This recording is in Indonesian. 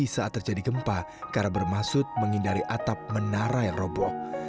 saat terjadi gempa karena bermaksud menghindari atap menara yang roboh